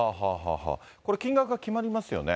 これ、金額が決まりますよね。